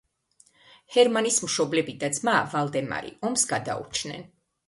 ჰერმანის მშობლები და ძმა ვალდემარი ომს გადაურჩნენ.